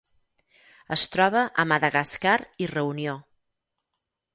Es troba a Madagascar i Reunió.